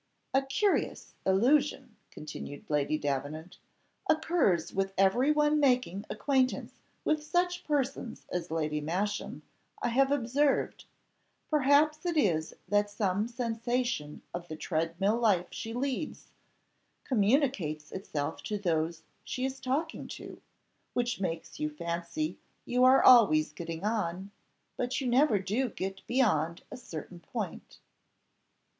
"A curious illusion," continued Lady Davenant, "occurs with every one making acquaintance with such persons as Lady Masham, I have observed; perhaps it is that some sensation of the tread mill life she leads, communicates itself to those she is talking to; which makes you fancy you are always getting on, but you never do get beyond a certain point."